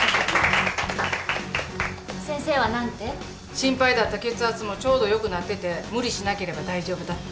心配だった血圧もちょうどよくなってて無理しなければ大丈夫だって。